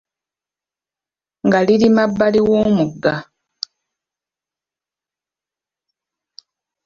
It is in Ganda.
Nga liri mabbali w'omugga.